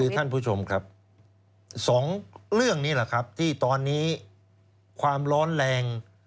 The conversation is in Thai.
ท่านผู้ชมครับสองเรื่องนี้แหละครับที่ตอนนี้ความร้อนแรง